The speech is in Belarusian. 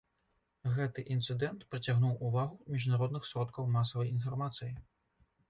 Гэты інцыдэнт прыцягнуў увагу міжнародных сродкаў масавай інфармацыі.